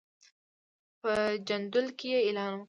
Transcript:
په جندول کې یې اعلان وکړ.